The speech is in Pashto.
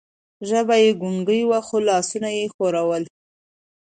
ژبه یې ګونګه وه، خو لاسونه یې ښورول.